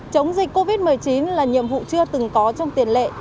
chống dịch covid một mươi chín là nhiệm vụ chưa từng có trong tiền lệ